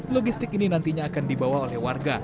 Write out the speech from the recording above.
logistik ini nantinya akan dibawa oleh warga